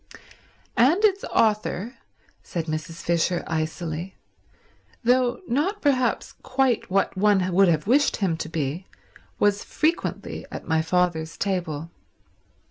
"And its author," said Mrs. Fisher icily, "though not perhaps quite what one would have wished him to be, was frequently at my father's table."